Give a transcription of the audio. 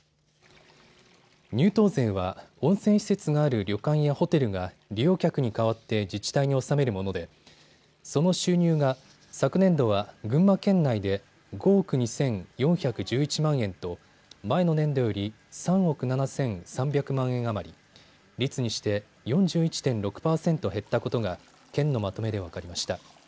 入湯税は温泉施設がある旅館やホテルが利用客に代わって自治体に納めるものでその収入が昨年度は群馬県内で５億２４１１万円と前の年度より３億７３００万円余り率にして４１．６％減ったことが県のまとめで分かりました。